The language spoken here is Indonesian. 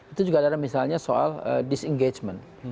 itu juga ada misalnya soal disengajement